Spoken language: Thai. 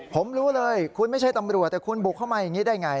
ผมรู้เลยคุณไม่ใช่ตำรวจแต่คุณบุกเข้ามาอย่างนี้ได้ไง